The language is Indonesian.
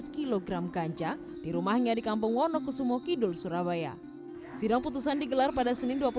lima belas kg ganja di rumahnya di kampung wonokusumo kidul surabaya sidang putusan digelar pada senin